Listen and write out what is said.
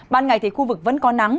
ban ngày thì khu vực vẫn có nắng